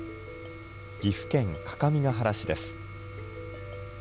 岐阜県各務原市です。